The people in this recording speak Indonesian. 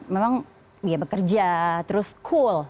memang dia bekerja terus cool